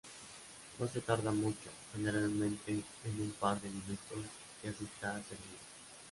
No se tarda mucho, generalmente en un par de minutos ya se está servido.